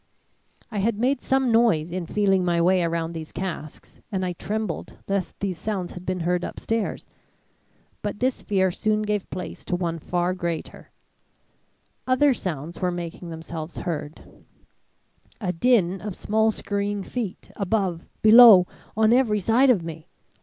"I had made some noise in feeling my way around these casks, and I trembled lest these sounds had been heard upstairs! But this fear soon gave place to one far greater. Other sounds were making themselves heard. A din of small skurrying feet above, below, on every side of me!